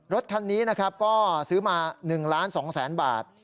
รถคันนี้ซื้อมา๑๒ล้านบาท